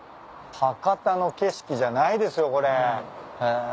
博多の景色じゃないですよこれ。へ。